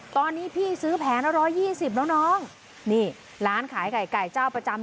ตอนนี้พี่ซื้อแผงละร้อยยี่สิบแล้วน้องนี่ร้านขายไก่เจ้าประจำ